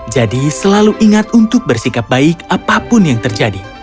selalu ingat untuk bersikap baik apapun yang terjadi